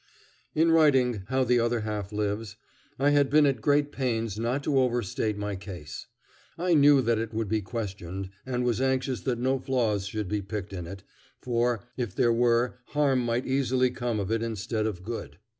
In writing "How the Other Half Lives" I had been at great pains not to overstate my case. I knew that it would be questioned, and was anxious that no flaws should be picked in it, for, if there were, harm might easily come of it instead of good.